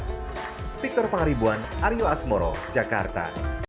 dari diterpangaribuan aryo asmoro jakarta